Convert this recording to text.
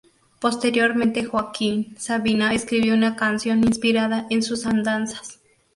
Posteriormente Joaquín Sabina escribió una canción inspirada en sus andanzas.